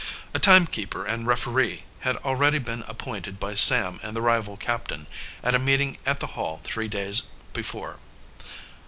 A timekeeper and referee had already been appointed by Sam and the rival captain, at a meeting at the Hall three days before.